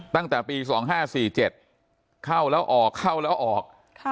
ตั้งแต่ปี๒๕๔๗เข้าแล้วออกเข้าแล้วออก